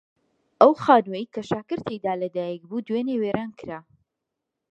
ئەو خانووەی کە شاکر تێیدا لەدایک بوو دوێنێ وێران کرا.